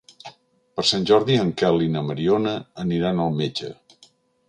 Per Sant Jordi en Quel i na Mariona aniran al metge.